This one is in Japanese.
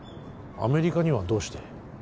アメリカにはどうして？